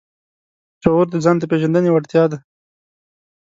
شعور د ځان د پېژندنې وړتیا ده.